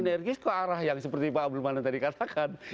energi ke arah yang seperti pak abdul mana tadi katakan